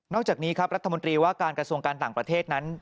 จากนี้ครับรัฐมนตรีว่าการกระทรวงการต่างประเทศนั้น